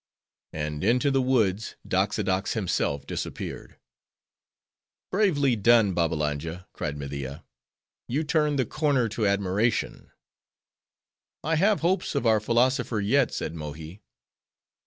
and into the woods Doxodox himself disappeared. "Bravely done, Babbalanja!" cried Media. "You turned the corner to admiration." "I have hopes of our Philosopher yet," said Mohi.